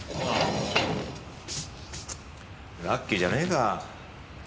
ラッキーじゃねえか。